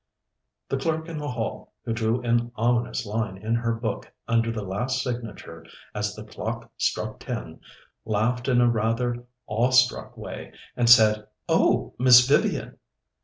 The clerk in the hall, who drew an ominous line in her book under the last signature as the clock struck ten, laughed in a rather awestruck way and said, "Oh, Miss Vivian!"